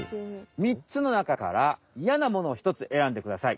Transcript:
みっつの中からイヤなものをひとつえらんでください。